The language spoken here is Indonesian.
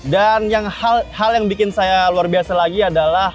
dan hal yang bikin saya luar biasa lagi adalah